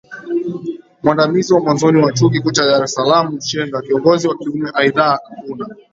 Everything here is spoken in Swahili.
mwandamizi wa mwanzoni wa Chuo Kikuu Cha Dar es SalaamMshenga kiongozi wa kiumeAidha kuna